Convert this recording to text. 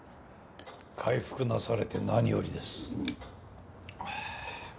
回復なされて何よりです。